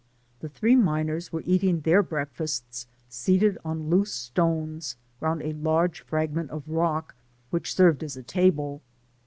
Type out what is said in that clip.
The three miners were eating their breakfasts seated on loose stones round a large frag ment of rock, which served as a table.